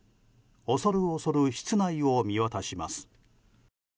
恐る恐る、室内を見渡します。